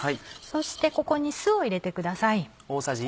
そしてここに酢を入れてください。